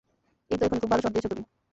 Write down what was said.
এইত এখনি, খুব ভাল শট দিয়েছ তুমি।